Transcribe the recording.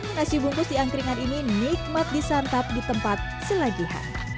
nasi bungkus di angkringan ini nikmat disantap di tempat selagihan